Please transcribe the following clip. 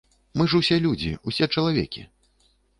Мы ж усе людзі, усе чалавекі.